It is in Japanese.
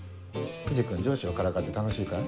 藤君上司をからかって楽しいかい？